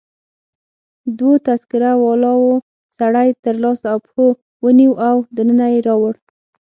دوو تذکره والاو سړی تر لاسو او پښو ونیو او دننه يې راوړ.